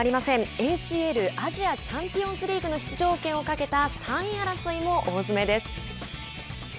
ＡＣＬ＝アジアチャンピオンズリーグの出場権をかけた３位争いも大詰めです。